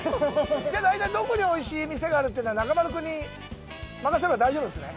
じゃあ、大体、どこにおいしい店があるというのは中丸君に任せれば大丈夫ですね？